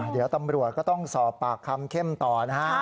เดี๋ยวตำรวจก็ต้องสอบปากคำเข้มต่อนะฮะ